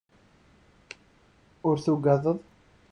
Ur tugadeḍ?